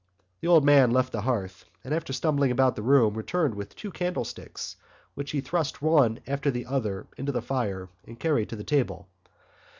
The old man left the hearth and, after stumbling about the room returned with two candlesticks which he thrust one after the other into the fire and carried to the table.